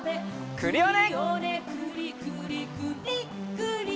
クリオネ！